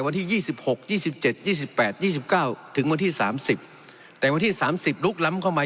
วันที่๒๖๒๗๒๘๒๙ถึงวันที่๓๐แต่วันที่๓๐ลุกล้ำเข้ามา